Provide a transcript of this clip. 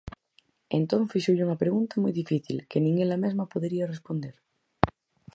Entón fíxolle unha pregunta moi difícil, que nin ela mesma podería responder.